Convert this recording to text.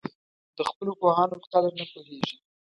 د خپلو پوهانو په قدر نه پوهېږي.